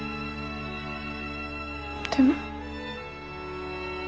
でも。